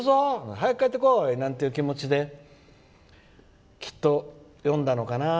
早く帰ってこい！なんて気持ちできっと詠んだのかな。